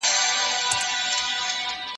ليکوال بايد يوازې د ځان لپاره ليکل ونه کړي.